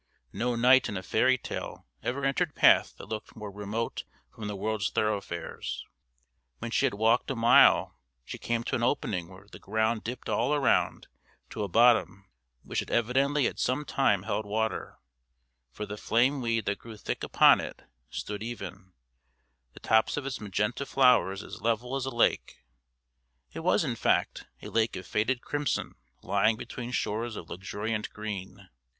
No knight in a fairy tale ever entered path that looked more remote from the world's thoroughfares. When she had walked a mile she came to an opening where the ground dipped all round to a bottom which had evidently at some time held water, for the flame weed that grew thick upon it stood even, the tops of its magenta flowers as level as a lake it was, in fact, a lake of faded crimson lying between shores of luxuriant green.